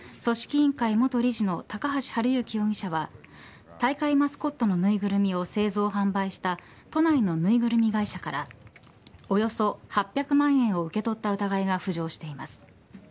委員会元理事の高橋浩之容疑者は大会マスコットの縫いぐるみを製造、販売した都内の縫いぐるみ会社からおよそ８００万円を受け取った疑いが浮上しています。